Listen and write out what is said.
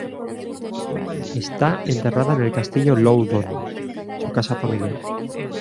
Está enterrada en el Castillo Loudoun, su casa familiar.